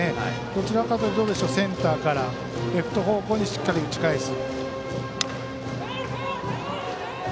どちらかというとセンターからレフト方向にしっかり打ち返す。